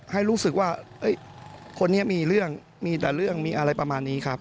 ให้รู้สึกว่าคนนี้มีเรื่องมีแต่เรื่องมีอะไรประมาณนี้ครับ